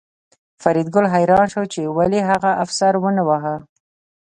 فریدګل حیران شو چې ولې هغه افسر ونه واهه